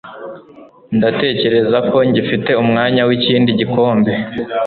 Ndatekereza ko ngifite umwanya wikindi gikombe